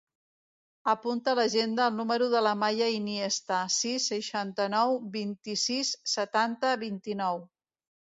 Apunta a l'agenda el número de l'Amaya Iniesta: sis, seixanta-nou, vint-i-sis, setanta, vint-i-nou.